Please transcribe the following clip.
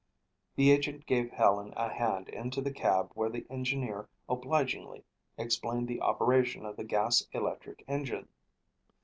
The agent gave Helen a hand into the cab where the engineer obligingly explained the operation of the gas electric engine.